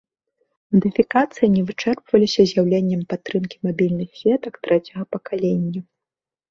Мадыфікацыі не вычэрпваліся з'яўленнем падтрымкі мабільных сетак трэцяга пакалення.